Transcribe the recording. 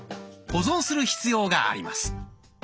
保存する必要があります。